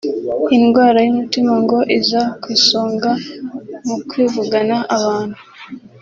indwara y’umutima ngo iza ku isonga mu kwivugana abantu